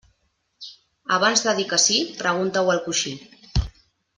Abans de dir que sí, pregunta-ho al coixí.